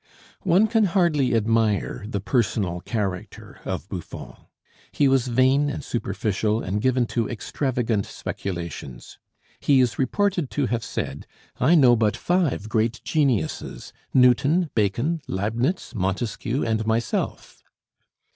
One can hardly admire the personal character of Buffon. He was vain and superficial, and given to extravagant speculations. He is reported to have said, "I know but five great geniuses Newton, Bacon, Leibnitz, Montesquieu, and myself."